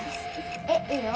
えいいの？